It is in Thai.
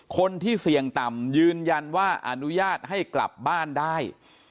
คนที่เสี่ยงต่ำยืนยันว่าอนุญาตให้กลับบ้านได้